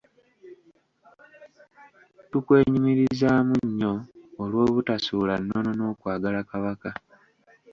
Tukwenyumirizaamu nnyo olw'obutasuula nnono n'okwagala Kabaka.